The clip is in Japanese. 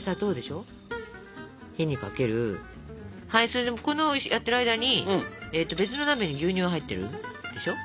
それでこれやってる間に別の鍋に牛乳が入ってるでしょ。